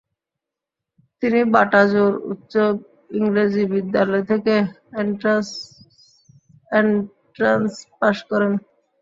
তিনি বাটাজোড় উচ্চ ইংরাজী বিদ্যালয় থেকে এন্ট্রান্স পাশ করেন।